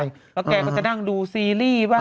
แล้วแกก็จะนั่งดูซีรีส์บ้าง